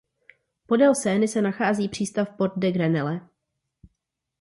Podél Seiny se nachází přístav Port de Grenelle.